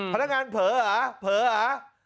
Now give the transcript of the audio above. พนักงานเผลอเหรอเผลอเหรอ